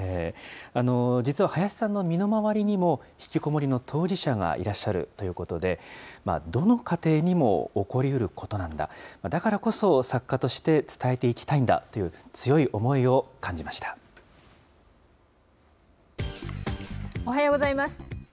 実は林さんの身の回りにも、ひきこもりの当事者がいらっしゃるということで、どの家庭にも起こりうることなんだ、だからこそ作家として伝えていきたいんだという、強い思いを感じました。